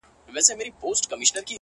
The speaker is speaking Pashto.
درته ښېرا كومه _